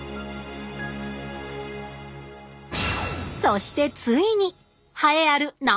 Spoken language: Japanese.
そしてついに栄えあるＮＯ．１